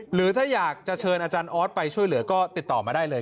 หรือถ้าอยากจะเชิญอาจารย์ออสไปช่วยเหลือก็ติดต่อมาได้เลย